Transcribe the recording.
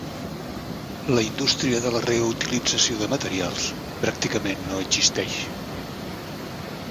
La indústria de la reutilització de materials pràcticament no existeix.